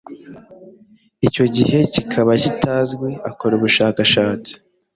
icyo gihe kikaba kitazwi akora ubushakashatsi